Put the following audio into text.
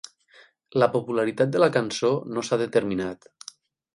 La popularitat de la cançó no s'ha determinat.